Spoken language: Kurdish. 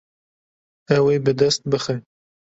Ew ê bi dest bixe.